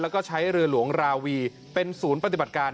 แล้วก็ใช้เรือหลวงราวีเป็นศูนย์ปฏิบัติการ